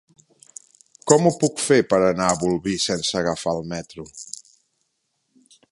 Com ho puc fer per anar a Bolvir sense agafar el metro?